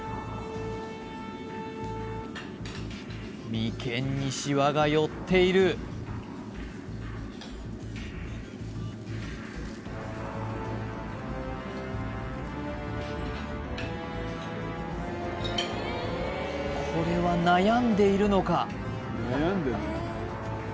眉間にシワが寄っているこれは悩んでいるのか？